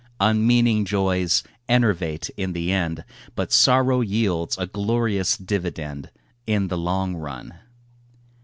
Unmeaning joys enervate in the end, But sorrow yields a glorious dividend In the long run.